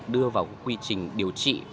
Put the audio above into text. đưa vào quy trình điều trị